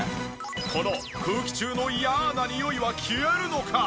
この空気中の嫌なにおいは消えるのか？